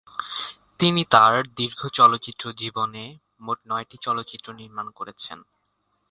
তিনি তার দীর্ঘ চলচ্চিত্র জীবনে মোট নয়টি চলচ্চিত্র নির্মাণ করেছেন।